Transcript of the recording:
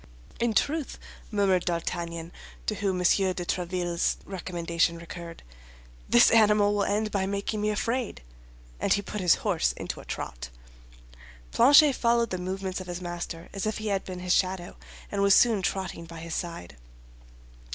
"In truth," murmured D'Artagnan, to whom M. de Tréville's recommendation recurred, "this animal will end by making me afraid." And he put his horse into a trot. Planchet followed the movements of his master as if he had been his shadow, and was soon trotting by his side.